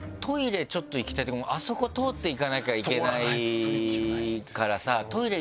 ちょっと行きたいときもあそこ通っていかなきゃいけないからさ。